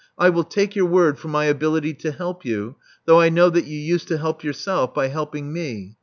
I will take your word for my ability to help you, though I know that you used to help yourself by helping me.